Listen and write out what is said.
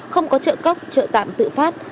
không có trợ cốc trợ tạm tự phát